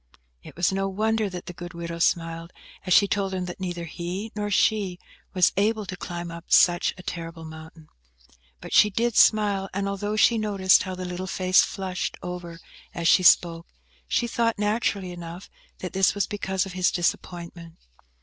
It was no wonder that the good widow smiled, as she told him that neither he nor she were able to climb up such a terrible mountain. But she did smile; and although she noticed how the little face flushed over as she spoke, she thought, naturally enough, that this was because of his disappointment.